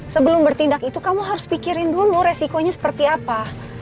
sebelum bertindak itu kamu harus pikirin dulu resikonya seperti apa